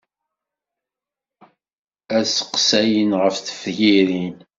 Ad seqsayen ɣef tefyirin.